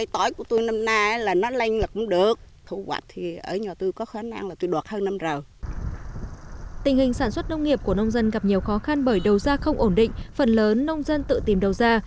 tình hình sản xuất nông nghiệp của nông dân gặp nhiều khó khăn bởi đầu ra không ổn định phần lớn nông dân tự tìm đầu ra